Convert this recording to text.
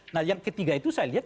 nah yang ketiga itu saya lihat